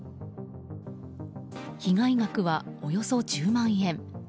被害額はおよそ１０万円。